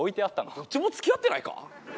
どっちも付き合ってないか？